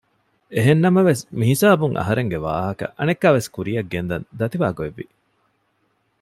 އެހެންނަމަވެސް މިހިސާބުން އަހަރެންގެ ވާހަކަ އަނެއްކާވެސް ކުރިއަށް ގެންދަން ދަތިވާގޮތް ވި